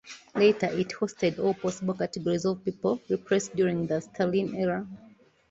Later, it hosted all possible categories of people repressed during the Stalin era.